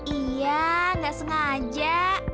iya gak sengaja